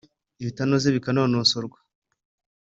ibitanoze bikanononsorwa